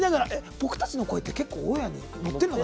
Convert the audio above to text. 僕たちの声って結構、オンエアに乗ってるのかな。